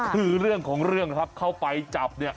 คือเรื่องของเรื่องนะครับเข้าไปจับเนี่ย